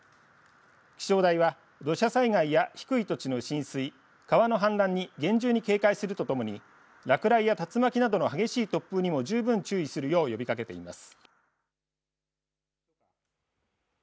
気象台は土砂災害や低い土地の浸水、川の氾濫に厳重に警戒するとともに落雷や竜巻などの激しい突風にも十分注意するよう呼びかけています。